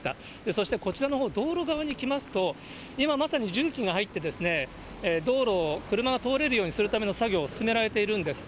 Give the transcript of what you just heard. そしてこちらのほう、道路側にきますと、今、まさに重機が入って、道路を、車が通れるようにするための作業進められているんです。